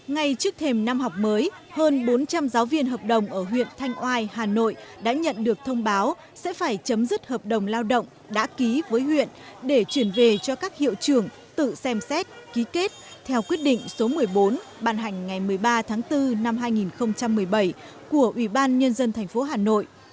ngay trước thềm năm học mới hơn bốn trăm linh giáo viên hợp đồng ở huyện thanh oai hà nội đã nhận được thông báo sẽ phải chấm dứt hợp đồng lao động đã ký với huyện để chuyển về cho các hiệu trưởng tự xem xét ký kết theo quyết định số một mươi bốn bàn hành ngày một mươi ba tháng bốn năm hai nghìn một mươi bảy của ubnd tp hà nội